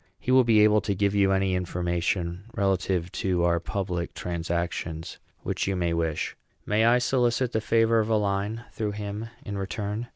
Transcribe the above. He will be able to give you any information, relative to our public transactions, which you may wish. May I solicit the favor of a line, through him, in return?